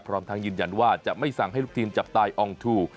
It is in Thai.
พร้อมทั้งยืนยันว่าจะไม่สั่งให้ลูกทีมจับตายอองทู